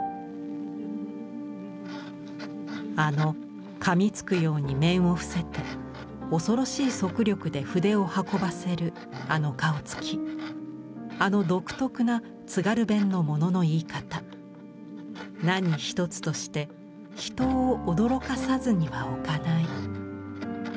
「あの噛みつくように面を伏せて、恐ろしい速力で筆を運ばせるあの顔つき、あの独特な津軽弁の物の言い方、何一つとして人を驚かさずにはおかない」。